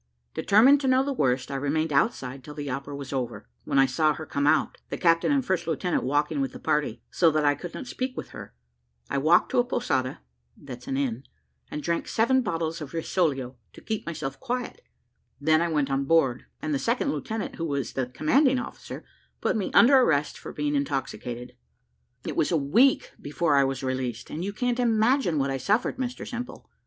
Determined to know the worst, I remained outside till the opera was over, when I saw her come out, the captain and first lieutenant walking with the party so that I could not speak with her I walked to a posada (that's an inn), and drank seven bottles of rosolio to keep myself quiet; then I went on board, and the second lieutenant, who was commanding officer, put me under arrest for being intoxicated. It was a week before I was released; and you can't imagine what I suffered, Mr Simple.